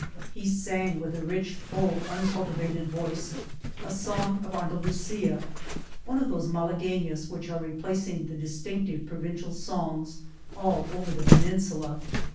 He sang with a rich, full, uncultivated voice, a song of Andalusia, one of those Malaguenas which are replacing the distinctive provin cial songs all over the peninsula.